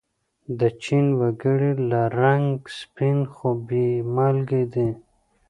د چین و گړي له رنگه سپین خو بې مالگې دي.